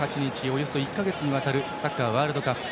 およそ１か月にわたるサッカーワールドカップ。